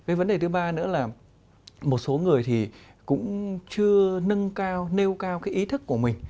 cái vấn đề thứ ba nữa là một số người thì cũng chưa nâng cao nêu cao cái ý thức của mình